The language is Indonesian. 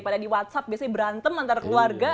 ini dari whatsapp biasanya berantem antara keluarga